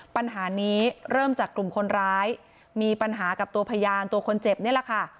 ปัญหานี้เริ่มจากกลุ่มคนร้ายมีปัญหากับตัวพยานตัวคนเจ็บนี่แหละค่ะ